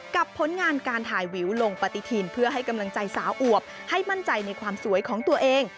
ผลงานการถ่ายวิวลงปฏิทินเพื่อให้กำลังใจสาวอวบให้มั่นใจในความสวยของตัวเอง